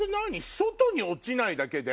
外に落ちないだけで。